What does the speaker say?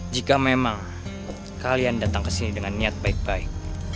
jika memang kalian datang ke sini dengan niat baik baik